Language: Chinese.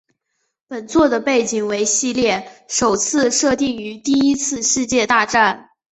本作的背景为系列首次设定于第一次世界大战。